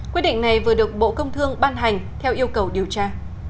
quyết định này vừa được bộ công thương ban hành theo yêu cầu điều tra